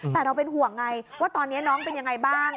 แต่เราเป็นห่วงไงว่าตอนนี้น้องเป็นยังไงบ้าง